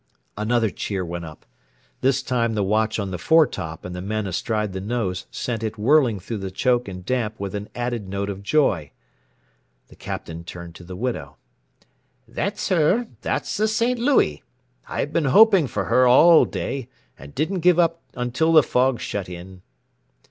Another cheer went up. This time the watch on the foretop and the men astride the nose sent it whirling through the choke and damp with an added note of joy. The Captain turned to the widow. "That's her that's the St. Louis! I've been hoping for her all day, and didn't give up until the fog shut in."